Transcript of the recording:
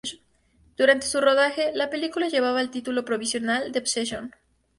Durante su rodaje, la película llevaba el título provisional de "Obsession".